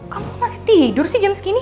kamu masih tidur sih jam segini